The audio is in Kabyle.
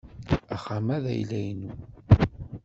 Axxam-a d ayla-inu.